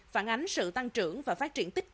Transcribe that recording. phản ánh sự tăng trưởng và phát triển tích cực